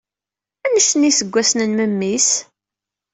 Anect n yiseggasen n memmi-s?